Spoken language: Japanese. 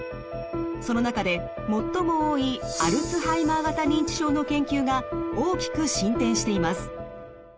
その中で最も多いアルツハイマー型認知症の研究が大きく進展しています。